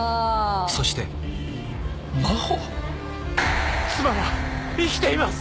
そして真帆⁉妻は生きています！